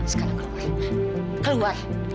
sekarang keluar keluar